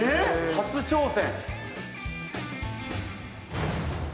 初挑戦。